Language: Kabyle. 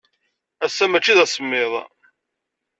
Ass-a, maci d asemmiḍ.